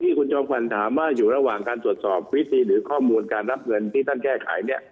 คุณจอมขวัญถามว่าอยู่ระหว่างการตรวจสอบวิธีหรือข้อมูลการรับเงินที่ท่านแก้ไขเนี่ย